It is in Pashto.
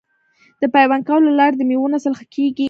د پیوند کولو له لارې د میوو نسل ښه کیږي.